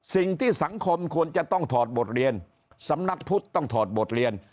สิ่งที่สังคมควรจะต้องถอดบทเรียนสำนักพุทธต้องถอดบทเรียน